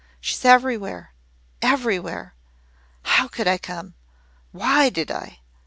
She's everywhere everywhere! How could I come! Why did I!